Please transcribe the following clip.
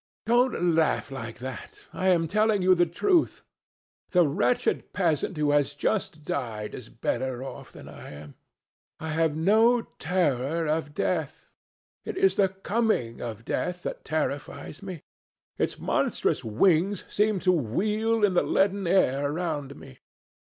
Don't laugh like that. I am telling you the truth. The wretched peasant who has just died is better off than I am. I have no terror of death. It is the coming of death that terrifies me. Its monstrous wings seem to wheel in the leaden air around me.